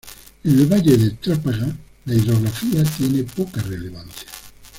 En el Valle de Trápaga la hidrografía tiene poca relevancia.